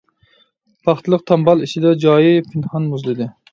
پاختىلىق تامبال ئىچىدە جايى پىنھان مۇزلىدى.